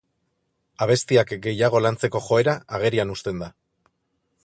Abestiak gehiago lantzeko joera agerian uzten da.